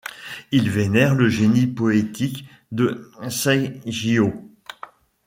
Il vénère le génie poétique de Saigyō.